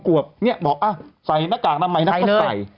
ผมก็กลัวเนี่ยบอกอ่ะใส่หน้ากากทำไมนะเขาใส่